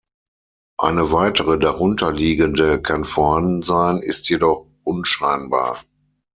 Eine weitere, darunter liegende kann vorhanden sein, ist jedoch unscheinbar.